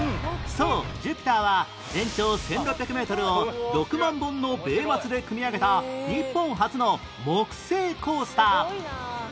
そうジュピターは全長１６００メートルを６万本の米松で組み上げた日本初の木製コースター